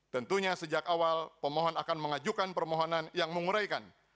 tentunya sejak awal pemohon akan mengajukan permohonan yang menguraikan